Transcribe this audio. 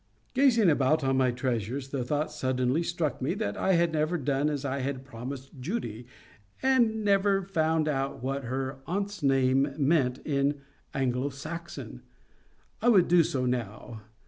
Gazing about on my treasures, the thought suddenly struck me that I had never done as I had promised Judy; had never found out what her aunt's name meant in Anglo Saxon. I would do so now.